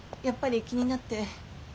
やっぱり気になって。